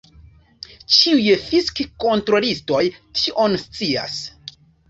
Ĉiuj fisk-kontrolistoj tion scias.